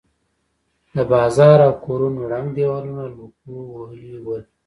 د بازار او کورونو ړنګ دېوالونه لوګو وهلي ول.